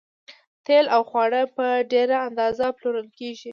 تیل او خواړه په ډیره اندازه پلورل کیږي